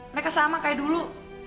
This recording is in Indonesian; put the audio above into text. mereka sama kayak dulu